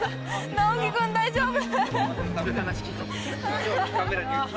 直樹君大丈夫？